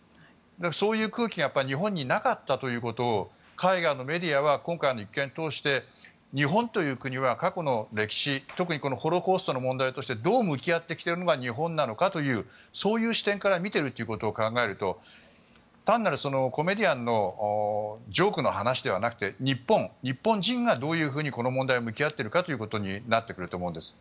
そういう空気が日本になかったということを海外のメディアは今回の一件を通して日本という国は過去の歴史特にホロコーストの問題とどう向き合ってきているのが日本なのかという視点から見ていることを考えると単なるコメディアンのジョークの話ではなくて日本人が、どうこの問題に向き合っているかということになると思います。